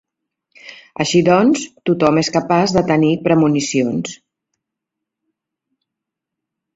Així doncs, tothom és capaç de tenir premonicions.